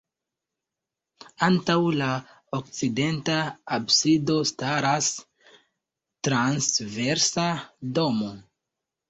Antaŭ la okcidenta absido staras transversa domo.